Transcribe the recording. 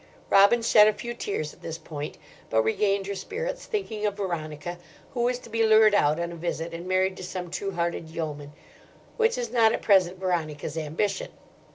Robin shed a few tears at this point, but regained her spirits, thinking of Veronica, who was to be lured out on a visit and married to some true hearted yeoman: which is not at present Veronica's ambition.